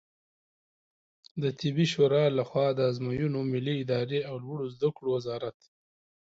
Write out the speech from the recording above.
د طبي شورا له خوا د آزموینو ملي ادارې او لوړو زده کړو وزارت